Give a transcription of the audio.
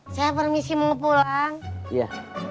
saya permisi mau pulang ya